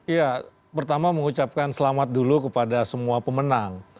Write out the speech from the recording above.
ya pertama mengucapkan selamat dulu kepada semua pemenang